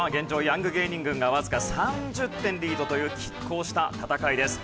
ヤング芸人軍がわずか３０点リードという拮抗した戦いです。